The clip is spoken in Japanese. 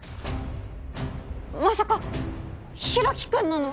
まさか大樹君なの？